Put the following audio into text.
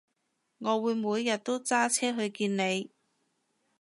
我會每日都揸車去見你